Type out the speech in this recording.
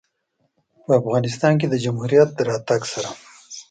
په افغانستان کې د جمهوریت د راتګ سره